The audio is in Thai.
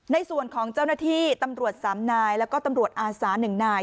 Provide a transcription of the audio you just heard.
ในส่วนของเจ้าหน้าที่ตำรวจ๓นายแล้วก็ตำรวจอาสา๑นาย